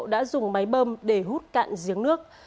đã dùng máy bâm để hút cạn giếng nước